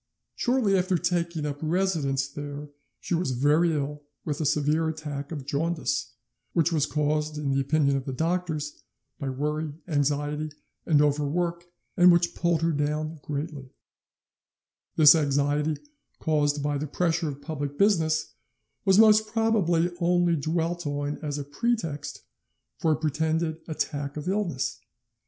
Shortly after taking up residence there she was very ill with a severe attack of jaundice, which was caused, in the opinion of the doctors, by worry, anxiety, and overwork, and which pulled her down greatly" ('Memoire de Madame de Motteville, 4 vols. 12mo, Vol i. p. 194). "This anxiety, caused by the pressure of public business, was most probably only dwelt on as a pretext for a pretended attack of illness.